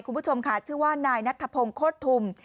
คุณผู้ชมค่ะชื่อว่านายนัทพงศ์โคตรทุม